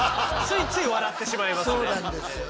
ついつい笑ってしまいますよね。